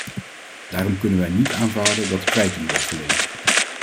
Daarom kunnen wij niet aanvaarden dat kwijting wordt verleend.